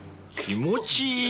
［気持ちいい？］